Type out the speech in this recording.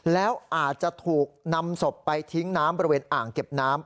แล้วอาจจะถูกนำศพไปทิ้งน้ำบริเวณอ่างเก็บน้ำ